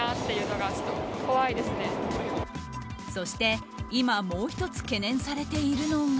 そして、今もう１つ懸念されているのが。